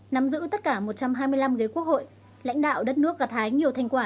nắm giữ tất cả một trăm hai mươi năm ghế quốc hội lãnh đạo đất nước gặt hái nhiều thành quả